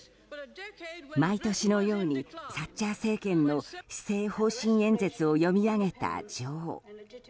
毎年のようにサッチャー政権の施政方針演説を読み上げた女王。